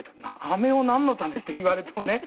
アメをなんのためって言われてもね